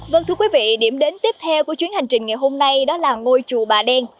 vâng thưa quý vị điểm đến tiếp theo của chuyến hành trình ngày hôm nay đó là ngôi chùa bà đen